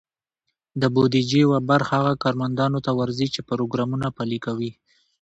د بودیجې یوه برخه هغه کارمندانو ته ورځي، چې پروګرامونه پلي کوي.